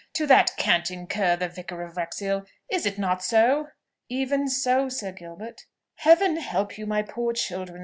To that canting cur the Vicar of Wrexhill? Is it not so?" "Even so, Sir Gilbert." "Heaven help you, my poor children!"